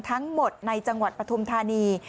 ทั้งหมดในจังหวัดปฐุมธานี